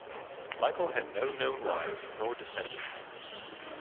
Michael had no known wives nor descendants.